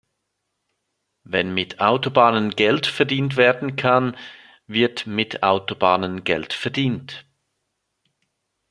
Wenn mit Autobahnen Geld verdient werden kann, wird mit Autobahnen Geld verdient.